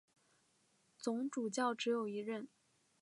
总主教只有一任。